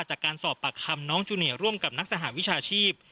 จากการสอบปากคำน้องจูเนียร่วมกับนักสหวิชาชีพ